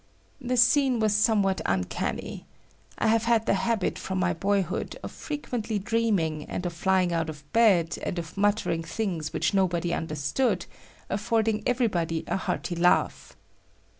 The scene was somewhat uncanny. I have had the habit from my boyhood of frequently dreaming and of flying out of bed and of muttering things which nobody understood, affording everybody a hearty laugh.